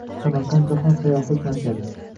Samarqand – jahon sayyohlik markazi